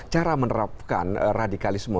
cara menerapkan radikalisme